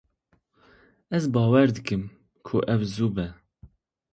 Ez bawer dikim, ku ew zû bê.